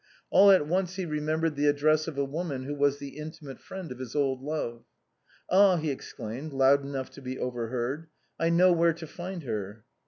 All at once he remembered the address of a woman who was the intimate friend of his old love. "Ah !" he exclaimed, loud enough to be overheard, "I know where to find her."